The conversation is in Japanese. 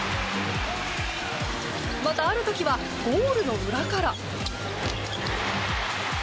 また、ある時はゴールの裏から。